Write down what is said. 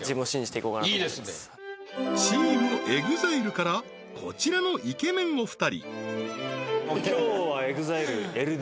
チームＥＸＩＬＥからこちらのイケメンお二人